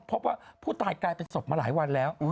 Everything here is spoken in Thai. พบว่าผู้ตายกลายเป็นศพมาหลายวันแล้ว